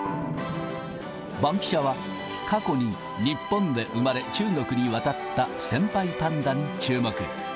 バンキシャは、過去に日本で生まれ、中国に渡った先輩パンダに注目。